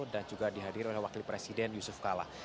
yang dihadir oleh wakil presiden yusuf kalla